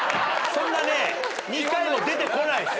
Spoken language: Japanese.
そんなね２回も出てこないです。